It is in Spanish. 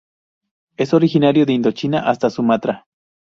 Es originario de Indochina hasta Sumatra.